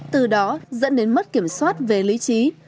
từ đó dẫn đến mất kiểm soát về lý trí